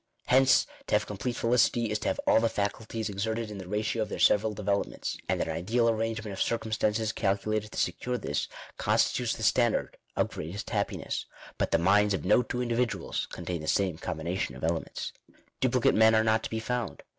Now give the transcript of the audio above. . Hence, to have complete felicity is to have all the faculties exerted in the ratio of their several developments ;. and an ideal arrangement of circumstances calculated to secure this constitutes the standard of "greatest happiness;" , but the minds of no two individuals contain the same com bination of elements. Duplicate men are not to be found.